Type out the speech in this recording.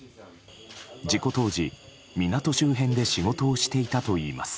事故当時、港周辺で仕事をしていたといいます。